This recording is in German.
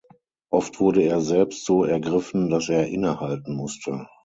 Oft wurde er selbst so ergriffen, daß er inne halten mußte.